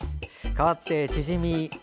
かわって、チヂミ。